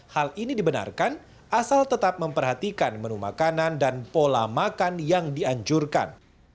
hal ini dibenarkan asal tetap memperhatikan menu makanan dan pola makan yang dianjurkan